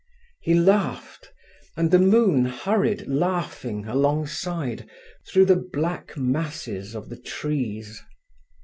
He laughed, and the moon hurried laughing alongside, through the black masses of the trees.